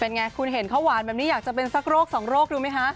ไงคุณเห็นเขาหวานแบบนี้อยากจะเป็นสักโรคสองโรคดูไหมคะ